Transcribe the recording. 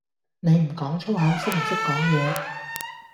你唔講粗口識唔識講野?